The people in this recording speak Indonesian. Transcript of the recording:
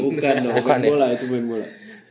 bukan main bola itu main bola